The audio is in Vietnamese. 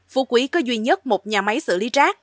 phú quý có duy nhất một nhà máy xử lý rác